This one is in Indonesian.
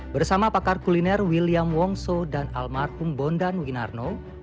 bersama pakar kuliner william wongso dan almar pungbondan winarno